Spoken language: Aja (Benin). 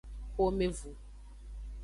Xomevu.